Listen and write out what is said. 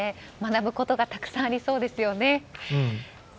学ぶことがたくさんありそうですよね。